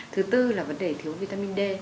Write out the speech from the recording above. thứ bốn là vấn đề thiếu vitamin d